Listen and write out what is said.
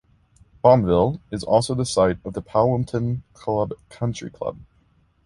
Balmville is also the site of the Powelton Club Country Club.